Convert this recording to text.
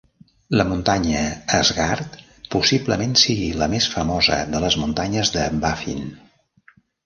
La muntanya Asgard possiblement sigui la més famosa de les muntanyes de Baffin.